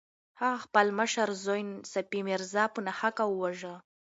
هغه خپل مشر زوی صفي میرزا په ناحقه وواژه.